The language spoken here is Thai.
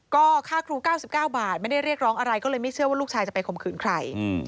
ก็ค่าครู๙๙บาทไม่ได้เรียกร้องอะไรก็เลยไม่เชื่อว่าลูกชายจะไปข่มขืนใคร